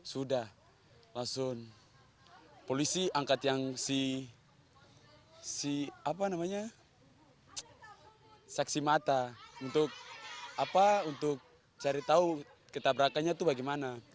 sudah langsung polisi angkat yang si apa namanya saksi mata untuk cari tahu ketabrakannya itu bagaimana